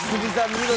見事。